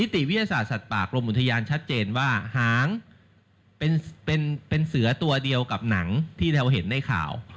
ที่เราเห็นได้ข่าว